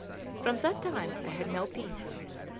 From that time I had no peace.